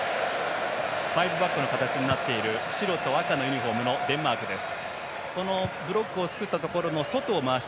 ファイブバックの形になっている白と赤のユニフォームデンマークです。